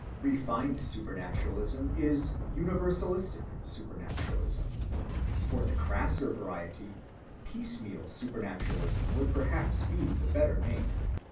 Refined supernaturalism is universalistic supernaturalism; for the "crasser" variety "piecemeal" supernaturalism would perhaps be the better name.